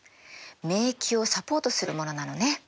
免疫をサポートするものなのね。